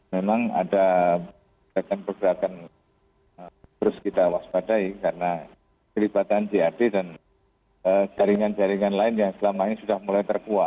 memang ada gerakan pergerakan terus kita waspadai karena kelibatan jad dan jaringan jaringan lain yang selama ini sudah mulai terkuat